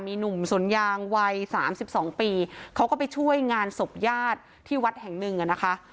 มีหนุ่มสวนยางวัยสามสิบสองปีเขาก็ไปช่วยงานศพญาติที่วัดแห่งหนึ่งอ่ะนะคะ